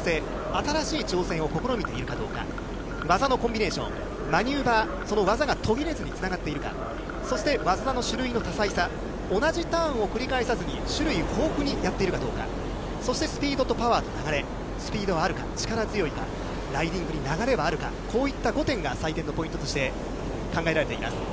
新しい挑戦を試みているかどうか、技のコンビネーション、マニューバー、その技が途切れずにつながっているか、そして技の種類の多彩さ、同じターンを繰り返さずに、種類豊富にやっているかどうか、そしてスピードとパワーと流れ、スピードはあるか、力強いか、ライディングに流れはあるか、こういった５点が採点のポイントとして考えられています。